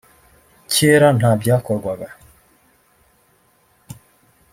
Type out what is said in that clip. kera nta byakorwaga